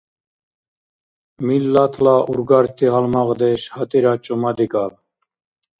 Миллатла ургарти гьалмагъдеш гьатӀира чӀумадикӀаб!